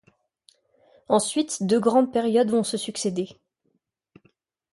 Ensuite, deux grandes périodes vont se succéder.